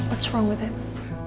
apa yang terjadi sama dia